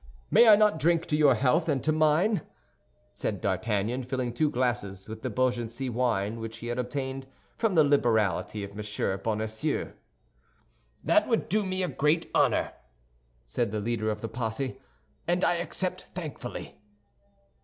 "May I not drink to your health, and you to mine?" said D'Artagnan, filling two glasses with the Beaugency wine which he had obtained from the liberality of M. Bonacieux. "That will do me great honor," said the leader of the posse, "and I accept thankfully."